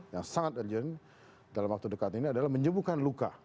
yang sangat urgent dalam waktu dekat ini adalah menyembuhkan luka